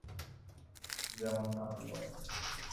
যেমনটা আপনি বলেন।